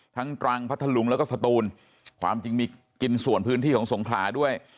ตรังพัทธลุงแล้วก็สตูนความจริงมีกินส่วนพื้นที่ของสงขลาด้วย